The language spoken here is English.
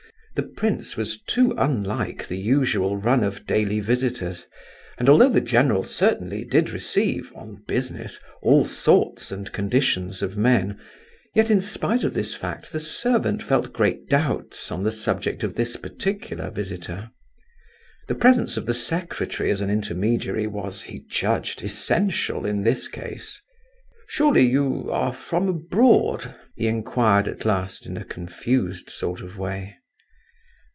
The prince was too unlike the usual run of daily visitors; and although the general certainly did receive, on business, all sorts and conditions of men, yet in spite of this fact the servant felt great doubts on the subject of this particular visitor. The presence of the secretary as an intermediary was, he judged, essential in this case. "Surely you—are from abroad?" he inquired at last, in a confused sort of way.